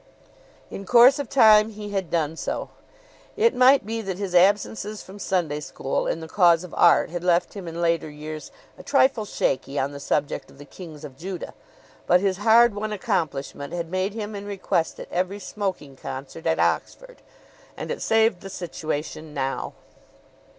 In course of time he had done so. It might be that his absences from Sunday school in the cause of art had left him in later years a trifle shaky on the subject of the Kings of Judah, but his hard won accomplishment had made him in request at every smoking concert at Oxford; and it saved the situation now.